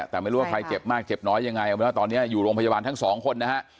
แต่ไม่รู้ว่าใครเจ็บมากเจ็บน้อยยังไงเอาเป็นว่าตอนนี้อยู่โรงพยาบาลทั้งสองคนนะฮะ